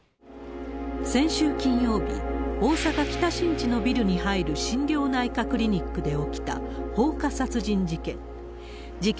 先週金曜日、大阪・北新地のビルに入る心療内科クリニックで起きた、放火殺人事件。